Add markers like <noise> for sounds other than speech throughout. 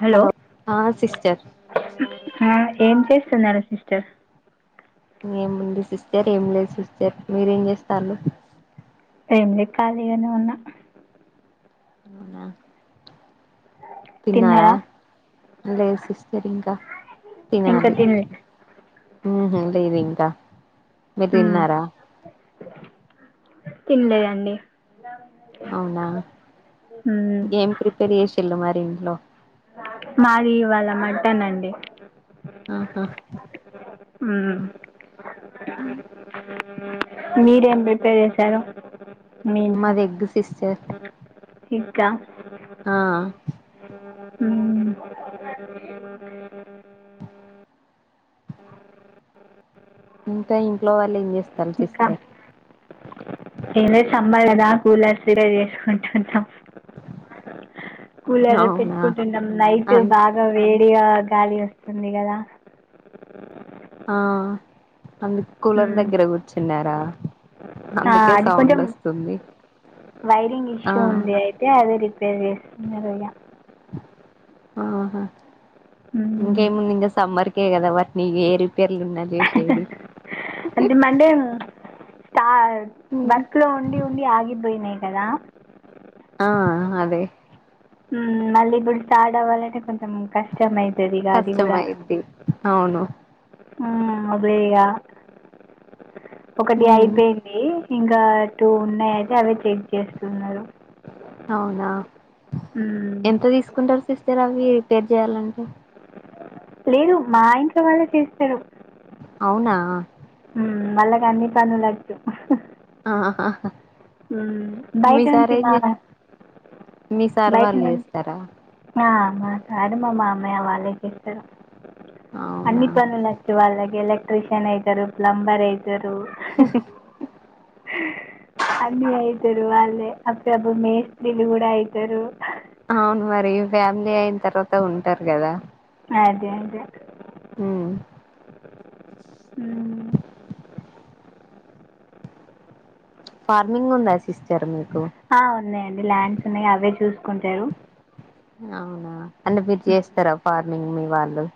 Hello ఆ sister ఆ ఏం చేస్తున్నారు సిస్టర్ హఏం ఉంది సిస్టర్ ఏం లేదు సిస్టర్ మీరేం చేస్తాళ్ళు ఎంలే ఖాలిగానే ఉన్నా అవునా తిన్నారా లేదు సిస్టర్ ఇంకా ఇంకా తినాలి తినలే హ్మ్మ్ లేదింక మీరు మ్మ్ తిన్నారా తినలేదండి అవునా మ్మ్. ఏం ప్రిపేర్ చేసిళు మరి ఇంట్లో మాది ఇవాళ మటన్ అండి ఆహ హ్మ్మ్ మీరేం ప్రిపేర్ చేశారు మాది ఎగ్ సిస్టర్ ఎగ్ ఆ ఆ హ్మ్మ్ ఇంకా ఇంట్లో వాళ్ళు ఏం చేస్తాళ్ళు ఇంకా సిస్టర్ ఏం లేదు సమ్మర్ కదా కూలర్స్ రిపేర్ చేసుకుంటున్నాం కూలర్ అవునా పెట్టుకుంటున్నాం నైట్ అం బాగా వేడిగా గాలి వస్తుంది గదా ఆ అందు కూలర్ మ్మ్ దగ్గర కూర్చున్నారా ఆ అందుకే అది సౌండ్ కొంచెం వస్తుంది వైరింగ్ ఆ ఇష్యూ ఉంది అయితే అదే రిపేర్ చేస్తున్నారు ఇగ ఆహా మ్మ్. ఇంకేముంది ఇకా సమ్మర్కె కదా వాట్ నీ ఇగ ఏరీ రాపర్లు ఉన్నా జేసేది కాద్ వర్క్ లో ఉండి ఉండి ఆగిపోయినాయి కదా ఆ అదే హ్మ్మ్ మళ్ళీ ఇప్పుడు స్టార్ట్ అవ్వాలంటే కొంచెం కష్టం అయితది ఇగ అది కూడా కష్టమైద్ది అవును హ్మ్మ్ అదేఇగా ఒకటి ఉమ్ అయిపోయింది ఇంకా టూ ఉన్నాయి అయితే అవే చెక్ చేస్తున్నారు అవునా మ్మ్. ఎంత తీసుకుంటారు సిస్టర్ అవి రిపేర్ చెయాలంటే లేదు మా ఇంట్లో వాళ్ళే చేస్తారు అవునా హ్మ్మ్ వాళ్ళకి అన్ని పనులు వచ్చు ఆహా హ్మ్మ్ మీ సార్ బయటున్చి ఏం చే నానా మీ సర్వాళ్లు చేస్తారా ఆ మా సార్ మా మామయ్య వాళ్ళే చేస్తారు అవునా అన్ని పనులచ్చు వాళ్ళకి ఎలక్ట్ర్రిషియన్ అయితారు ప్లంబర్ అయితారు అన్ని అయి ఔతారు వాల్లే అప్పుడప్పుడు మెస్రిల్లు కూడా అయితారు అవును మరి ఫ్యామిలీ అయిన తర్వాత ఉంటారు కదా ఆ అదే అదే హ్మ్మ్ హ్మ్మ్ ఫార్మింగ్ ఉందా సిస్టర్ మీకు హా ఉంది అండి ల్యాండ్స్ ఉన్నాయి అవే చూసుకుంటారు అవునా అంటే మీరు ఉమ్. చేస్తారా ఫార్మింగ్ మీ వాళ్ళు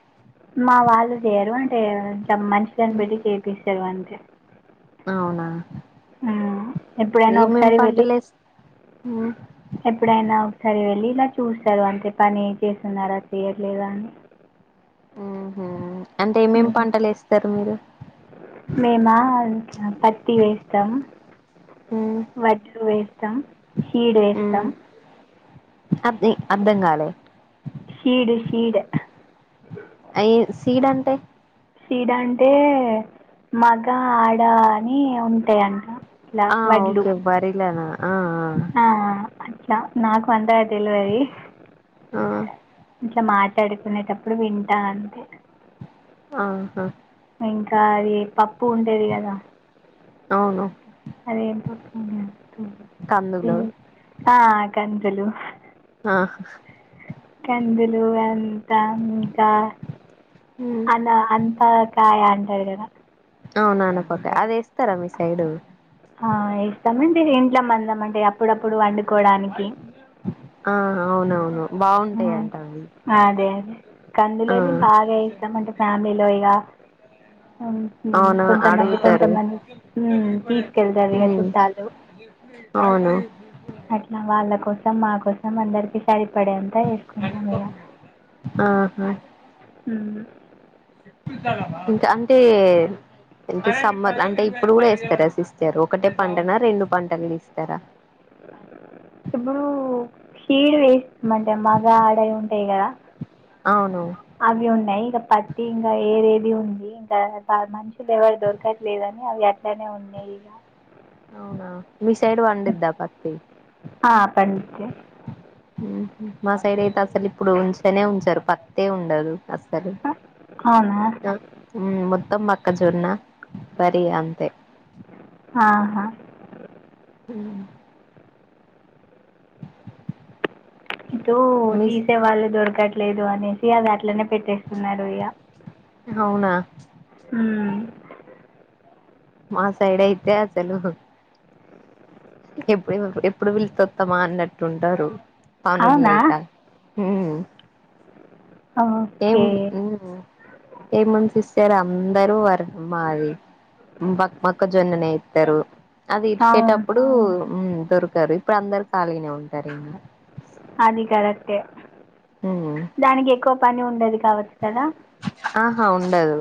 మా వాళ్ళు చేయరు అంటే ఇంట్లో మనుషులు లను పెట్టి చేపిస్తారు అంతే అవునా ఆ ఎప్పుడైనా ఏమేం ఒకసారి వెళ్ళి పంటలు వేస్ ఉమ్ ఎప్పుడైనా ఒకసారి వెళ్ళి ఇలా చూస్తారు అంతే పని ఏం చేస్తున్నారా చెయట్లేదా అని హ అంటే ఏమేమి ఉమ్. పంటలు వేస్తారు మీరు మేమా పత్తి వేస్తాము ఉమ్ వజ్రు వేస్తాం హీడు ఉమ్ వేస్తాం అద్ అర్దంగాలే షీడు షీడు అయి సీడ్ అంటే షీడ్ అంటే మగ ఆడ అని ఉంటాయంట ఇట్లా ఆ వడ్లు ఓకే బరిలే నా ఆ అట్లా నాకు అంత తెలవరీ ఆ ఇట్లా మాట్లాడుకునేటప్పుడు వింటా అంతే ఆహా ఇంకా అది పప్పు ఉంటది కదా అవును అది ఎం పప్పు కందులు ఆ కందులు ఆహ కందులు అం ఇంకా ఉమ్ అ అంతా కాయ అంటారు క <unintelligible> దా అవును ఆనపకాయ్ అది ఎస్తారా మీ సైడు ఆ ఎస్తామండి ఇంట్లో మందామంటే అప్పుడప్పుడు వండు ఆ అవునవును బావుంటాయి ఉమ్, అంటరు అదే అదే కందులది బాగా వేస్తాం అండి ఫ్యామిలీలో ఇగ అవును కొంతమంది అడుగుతారు కొంతమంది తీసుకెళ్తారు ఇక ఉమ్ చుట్టాలు అవును అట్లా వాళ్ళ కోసం మా కోసం అందరికి సరి పడే అంత వేసుకుంటాం ఇక ఆహా కా అంటే ఏంటి సమ్మర్ అంటే ఇప్పుడు కూడా వేస్తారా సిస్ ఇస్తారు ఒకటే పంటన రెండు పంటలు ఇస్తారా ఇప్పుడు షీడు వేస్తమండి మగా ఆడయి ఉంట యి కదా అవును అవి ఉన్నాయి ఇంక పత్తి ఇంకా ఏవేవి ఇది ఉంది ఇంకా మనుషులు ఎవరు దొరకట్లేదుని అవి అట్లానే ఉన్నాయి ఇక అవునా మీసైడ్ పండిద్దా పత్తి ఆ, పండితే మా సైడ్ అయితే అసలు ఇప్పుడు ఉంచనే ఉంచరు పత్తే ఉండదు అసలు ఆ, అవునా మొత్తం మొక్కజొన్న వరి అంతే ఆహా. ఉమ్ ఇదో మీ తీసే వాళ్ళు దొరకట్లేదు అనేసి అది అట్లనే పెట్టేస్తున్నారు ఇయ్యా అవునా ఉమ్ మా సైడ్ అయితే అసలు ఎప్పుడు ఎప్పుడు పిలితే వస్తామా అన్నట్టు ఉంటారు పనులు అవునా లేక ఉమ్ ఏం ఓకే ఏముంది సిస్టర్ అందరు వర్క్ మాది మొక్క మొక్కజొన్ననే ఎస్తారు అది అవును ఇడిచేటప్పుడు దొరకారు ఇప్పుడు అందరు ఖాళీనే ఉంటారు ఇ అది కరెక్టే మ్ దానికి ఎక్కువ పని ఉండది కావచ్చు కదా ఆహా ఉండదు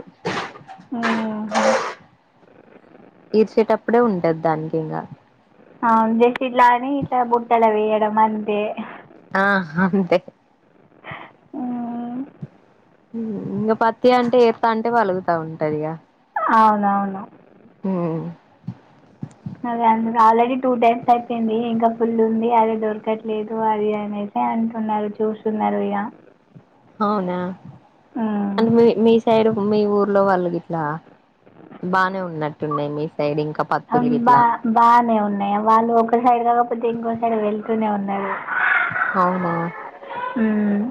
అ ఈర్చేటప్పుడే ఉంటది దానికి ఇంకా ఆ జసి ఇట్లానే ఇట్లా బుట్టల వేయ్యడం మందే ఆ అంతే ఊ ఇంకా పత్తి అంటే ఎత్ అంటే పలుగుతా ఉంటదిక అవునవును అదే అందు ఆల్రెడీ టూ టైమ్స్ అయిపోయింది ఇంకా ఫుల్ ఉంది అది దొరకట్లేదు అది అనేది అేఅంటున్నారు చూస్తున్నారు ఇక అవునా మ్మ్. అ మీ మీ సైడ్ మీ ఊర్లో వాళ్ళకి ఇట్లా బానే ఉన్నట్టున్నాయి మీ సైడ్ ఇంకా పత్తులు బా గిట్లా బాగానే ఉన్నాయి వాళ్ళు ఒక సైడ్ కాకపోతే ఇంకోక సైడ్ వెళ్తూనే ఉన్నారు అవునా మ్మ్.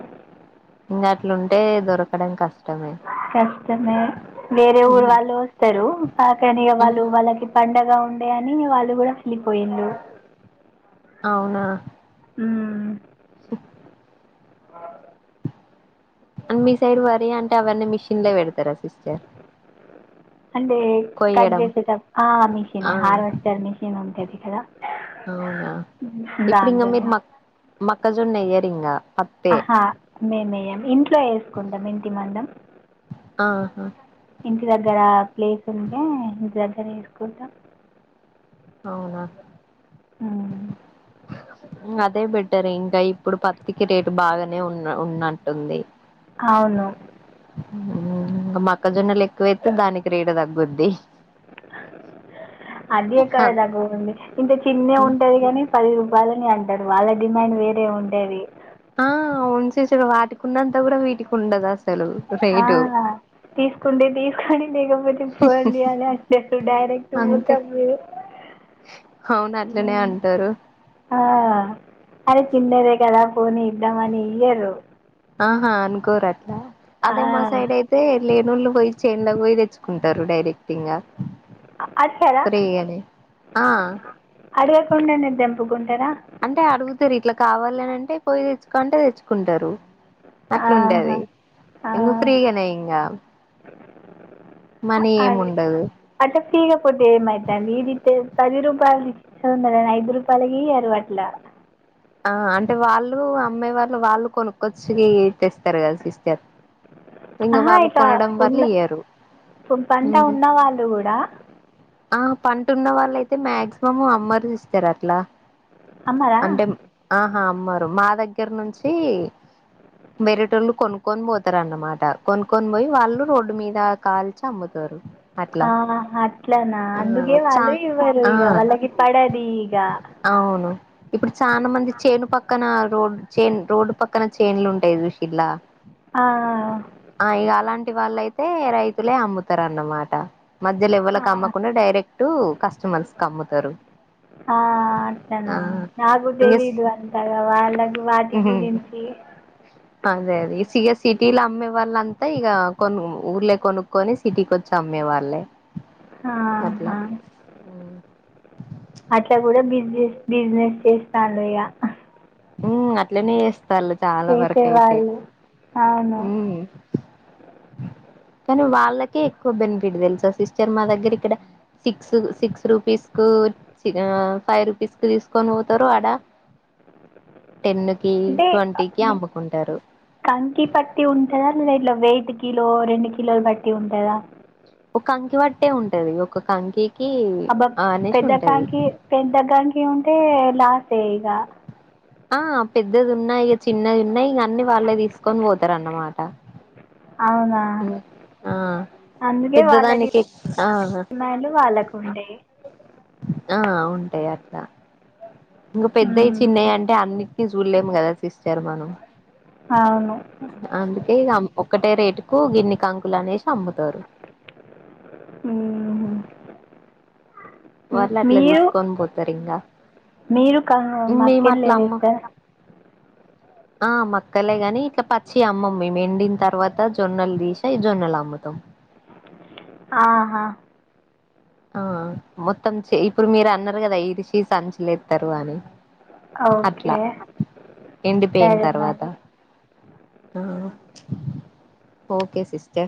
ఇంకా అట్లుంటే దొరకడం కష్టమే కష్టమే వేరే ఊరు మ్ వాళ్ళు వస్తారు కాని ఉమ్ వాళ్ళు వాళ్ళకి పండగ ఉ అంటే అని వాళ్ళు కూడా వెళ్ళిపోయిళు అవునా ఆ అం మీ సైడ్ వరి అంటే అవరిన్న మిషిన్ లో పెడతారా సిస్టర్ అంటే కట్ కొయ్యడం చేసేట ఆ మిషన్ ఆ హార్వస్టారు మిషన్ ఉంటది అవునా ఇప్పుడు ఇకా మీరు దాంతోనే మ మక్కజున్ నెయ్యరంగా ఆహా మేమేం ఇంట్లో వేసుకుంటాం ఇంటి మందం ఆహా ఇ ఇంటి దగ్గర ప్లేస్ ఉంటే ఇంటి దగ్గర వేసుకుంటాం అవునా ఆ అదే బెటర్ ఇంకా ఇప్పుడు పత్తికి రేటు బాగానే ఉన్న ఉన్నట్టుంది అవును కా మొక్కజొన్నలు ఎక్కువేతే దానికి రీడ తగ్గుద్ది అది ఎక్కడ దగ్గతుంది ఇంత చిన్న ఉంటది కాని పది రూపాయలు అంటారు వాళ్ళ డిమాండ్ వేరే ఉండేది ఆ అవును సస వాటికి ఉన్నంత కూడా వీటికి ఉండదు అసలు రేటు తీసుకుంటే తీసుకొని లేకపోతే పోండి అని అడు డైరెక్ట్ క అంతే అవును అట్లనే అంటారు అరే చిన్న ర కద పోనీ ఇద్దామని ఇయరు ఆహా అనుకోరు అట్లా అదే మా సైడ్ అయితే లేనుూళ్ళు పోయి చేన్ల పోయి తెచ్చుకుంటారు డైరెక్ట్ ఇకా అడగరా ప్రీగానే ఆ గుంటేరా అంటే అడుగుతారు ఇట్లా కావాలనింటే పోయి తెచ్చుకుంటే తెచ్చుకుంటారు అట్లా ఆహా ఉండేది ఆ, ఇగ ఫ్రీగానే ఇంకా అదే ఉండదు అంట ఫీగాపోతే ఏమతే అండి ఈదితే పది రూపాయలు ఇచ్చందని ఐదు రూపాయలకియరు అట్ల ఆ అంటే వాళ్ళు అమ్మే వాళ్ళు వాళ్ళు కొనుక్కొచ్చి తెస్త తరు కదా సిస్టర్ ఇంకా వాళ్ళు కొనడం వల్ల ఇయ్యరు పోపంట ఉమ్ ఉన్నవాళ్ళు కూడా ఆ పంటన్న వాళ్ళయితే మాక్సిమం అమ్మరు ఇస్తారు అట్లా అమ్మరా అంటే ఆహా అమ్మారు మా దగ్గర నుంచి వేరేటోళ్ళు కొనుక్కొని పోతారున్నమాట కొనుక్కొని పోయి వాళ్ళు రోడ్డు మీద కాల్ ఆ అట్లనా ఆ అందుగే చా వాళ్ళ ఇవ్వారు ఆ ఇక వాళ్లాకి పడది ఈగా అవును ఇప్పుడు చానా మంది చేనుపక్క పక్కన రోడ్ చేన్ రోడ్డు పక్కన చేన్లు ఉంటాయి చూషిలా. ఆ ఆ ఆ ఇవాళ్ళయితే రైతులే అమ్ముతారున్నమాట మధ్యలో ఆ ఎవ్వళకి అమ్మకుండా డైరెక్ట్ కస్టమర్స్ క అమ్ముతారు పట్టణ ఆ నాకు ఇంగ తెలీదు అంతగా వాళ్ళకు వాటి గురించి అదే అదే ఇగ సిటీలో అమ్మే వాళ్ళంతా ఇక కొను ఊర్లే కొనుక్కోని సిటీకి వచ్చా అమ్మే వాళ్ళే హా అట్లా హా అట్లా కూడా బిజీ బిజినెస్ చేస్తాడు ఇగ ఉ అట్లనే చేస్తాలు చాలా వరకు అయితే చేసేవాళ్ళు అవును ఉమ్ కానీ వాళ్ళకే ఎక్కువ బెనిఫిట్ తెలుసా సిస్టర్ మా దగ్గర ఇక్కడ సిక్స్ సిక్స్ రూపీస్ కు ఫైవ్ రూపీస్ కి తీసుకొని పోతారు ఆడ టెన్ కి అంటే ట్వంటీకిి అమ్ముకుంటారు టి పట్టి ఉంటందా లేదా ఇట్లా వెయిదు కిలో రెండు కిలోలు బట్టి ఉంటందా ఒక కంకి పట్టే ఉంటది ఒక కంకి అబ్బా పెద్దకంకి పెద్దకంకి ఉంటే లాస్ ఏ ఇక ఆ పెద్దది ఉన్నా ఈగ చిన్నది ఉన్నాయి ఈగ అన్ని వాళ్ళే తీసుకొని పోతారు అన్నమాట. అవునా ఉమ్ ఆ అందుకే వాళ్ళ పెద్దదానికి ఆ డిమాండ్లు వాళ్ళకు ఉంటా యి ఆ ఉంటాయి అట్లా ఇంక పెద్దవి మ్మ్ చిన్నయ అంటే అన్నిటిని చూడలేము కదా సిస్టర్ మనం. అవును అందుకే ఇగా ఒక్కటే రేటుకు గిన్ని కాంకులు అనేసి అమ్ముతారు మ్మ్ వాళ్ళు అట్లా మీరు తీసుకొన్ పోతారు ఇంకా మీరు క మాకెన్లే వేస్తారా అ ఆ మక్కలే గాని ఇట్లా పచ్చి అమ్మం మేము ఎండిన తర్వాత జొన్నలు తీసాయి జొన్నలు అమ్ముతాం ఆహా ఆ మొత్తం ఇప్పుడు మీరు అన్నారు కదా ఇరీచి సంచ లేస్తారు అని. అట్లా ఓకే ఎండిపోయిన సరే తర్వాత మరి ఆ ఓకే సిస్టర్